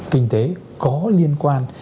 kinh tế có liên quan